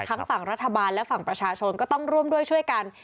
ฝั่งรัฐบาลและฝั่งประชาชนก็ต้องร่วมด้วยช่วยกัน